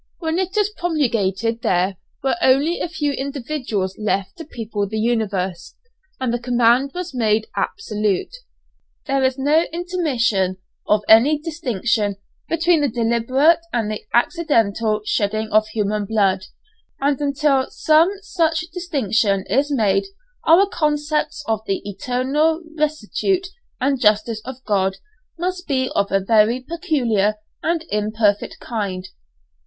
When it was promulgated there were only a few individuals left to people the universe, and the command was made absolute. There is no intimation of any distinction between the deliberate and the accidental shedding of human blood, and until some such distinction is made our conceptions of the eternal rectitude and justice of God, must be of a very peculiar and imperfect kind.